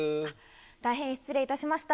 大変失礼いたしました。